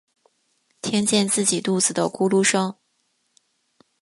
听见自己肚子的咕噜声